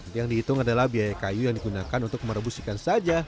yang dihitung adalah biaya kayu yang digunakan untuk merebus ikan saja